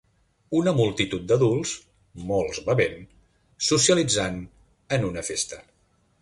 Una multitud d'adults, molts bevent, socialitzant en una festa